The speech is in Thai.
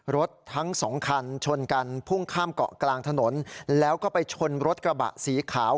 รถทั้งสองคันชนกันพุ่งข้ามเกาะกลางถนนแล้วก็ไปชนรถกระบะสีขาว